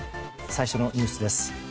最初のニュースです。